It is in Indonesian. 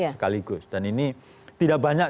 sekaligus dan ini tidak banyak